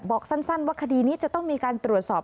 บอกสั้นว่าคดีนี้จะต้องมีการตรวจสอบ